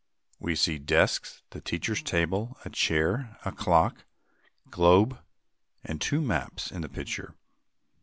We see desks, the teacher's table, a chair, a clock, globe, and two maps, in the picture.